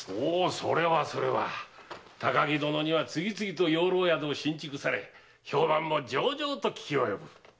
それはそれは高木殿には次々と養老宿を新築され評判も上々と聞き及ぶ。